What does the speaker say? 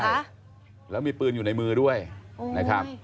ค่ะแล้วมีปืนอยู่ในมือด้วยนะครับ